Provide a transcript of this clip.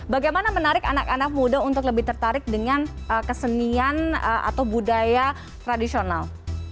bagaimana menarik anak anak muda untuk lebih tertarik dengan kesenian atau budaya tradisional